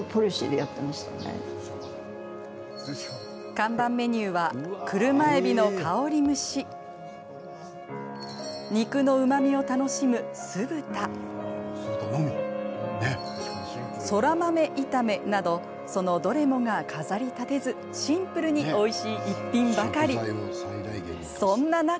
看板メニューは車えびの香り蒸し肉のうまみを楽しむ酢豚そら豆炒めなどそのどれもが飾り立てずシンプルにおいしい逸品ばかり。